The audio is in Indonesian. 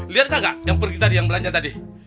lihat gak gak yang pergi tadi yang belanja tadi